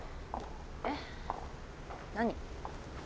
えっ？何？